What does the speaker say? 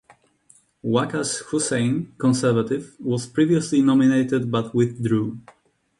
Waqas Hussain (Conservative) was previously nominated but withdrew.